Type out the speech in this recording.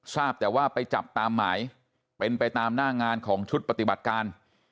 ทราบแต่ว่าไปจับตามหมายเป็นไปตามหน้างานของชุดปฏิบัติการ